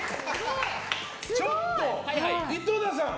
ちょっと、井戸田さん。